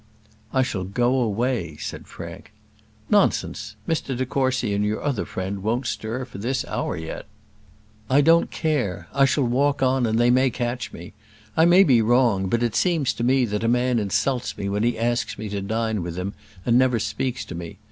"I shall go away," said Frank. "Nonsense. Mr de Courcy and your other friend won't stir for this hour yet." "I don't care. I shall walk on, and they may catch me. I may be wrong; but it seems to me that a man insults me when he asks me to dine with him and never speaks to me.